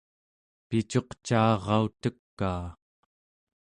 picuqcaarautekaa